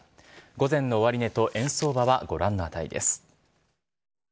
午前の終値と円相場はご覧の値です。